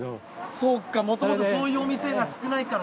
そっかもともとそういうお店が少ないからか。